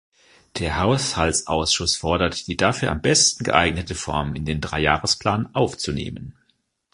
Der Haushaltsausschuss fordert, die dafür am besten geeignete Form in den Dreijahresplan aufzunehmen.